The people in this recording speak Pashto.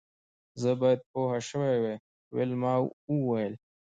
زه باید پوه شوې وای ویلما وویل